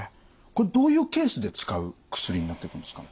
これどういうケースで使う薬になってくるんですか？